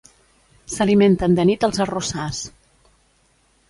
S'alimenten de nit als arrossars.